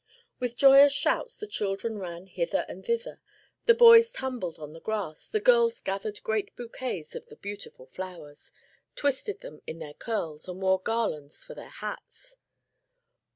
With joyous shouts the children ran hither and thither; the boys tumbled on the grass, the girls gathered great bouquets of the beautiful flowers, twisted them in their curls, and wore garlands for their hats.